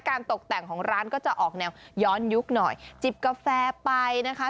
ตกแต่งของร้านก็จะออกแนวย้อนยุคหน่อยจิบกาแฟไปนะคะ